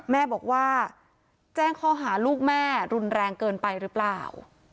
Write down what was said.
แม่บอกว่าแจ้งข้อหาลูกแม่รุนแรงเกินไปหรือเปล่า